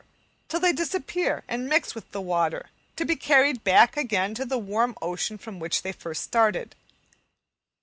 till they disappear and mix with the water, to be carried back again to the warm ocean from which they first started.